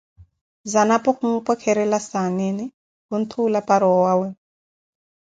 Zanapo khumpwekerela saneene, kunthuula para owawe.